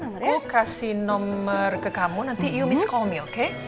aku kasih nomer ke kamu nanti you miss call me oke